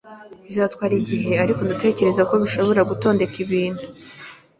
Bizatwara igihe, ariko ndatekereza ko dushobora gutondeka ibintu.